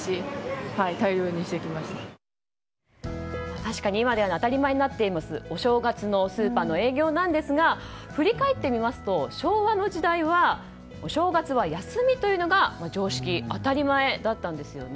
確かに今では当たり前になっていますお正月のスーパーの営業ですが振り返ってみますと昭和の時代はお正月は休みというのが常識当たり前だったんですよね。